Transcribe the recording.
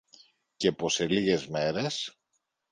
και πως σε λίγες μέρες